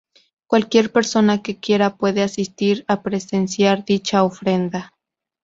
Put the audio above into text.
Cualquier persona que quiera puede asistir a presenciar dicha ofrenda.